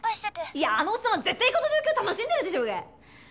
いやあのオッサンは絶対この状況を楽しんでるでしょうが。